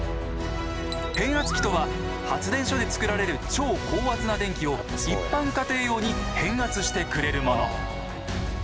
変圧器とは発電所で作られる超高圧な電気を一般家庭用に変圧してくれるもの。